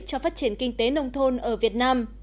cho phát triển kinh tế nông thôn ở việt nam